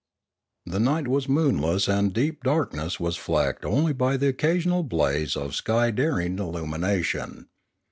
The night was moonless and deep darkness was flecked only by the occasional blaze of sky daring 498 Limanora illumination.